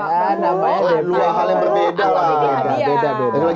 hal yang berbeda lah